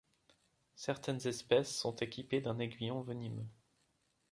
Certaines espèces sont équipées d'un aiguillon venimeux.